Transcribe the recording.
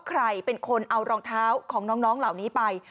ใครเป็นคนเอารองเท้าของน้องเหล่านี้ไป